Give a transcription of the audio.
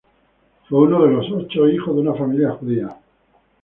Fue uno de los ocho hijos de una familia judía.